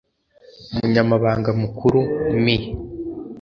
umunyamabanga mukuru Me